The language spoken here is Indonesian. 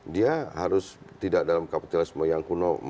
dia harus tidak dalam kapitalisme yang kuno